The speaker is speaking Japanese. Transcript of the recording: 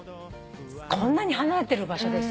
こんなに離れてる場所でさ